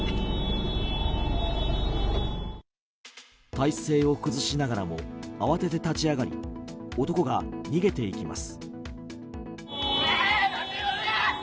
体勢を崩しながらも慌て立ち上がり男が逃げていきます。